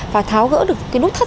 và tháo gỡ được cái nốt thắt